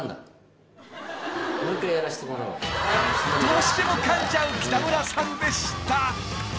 ［どうしてもかんじゃう北村さんでした］